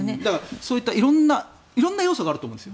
そういった色んな要素があると思うんですよ。